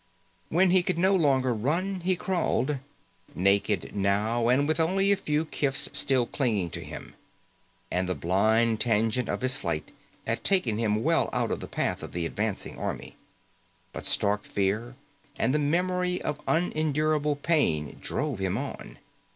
When he could no longer run, he crawled. Naked, now, and with only a few kifs still clinging to him. And the blind tangent of his flight had taken him well out of the path of the advancing army. But stark fear and the memory of unendurable pain drove him on.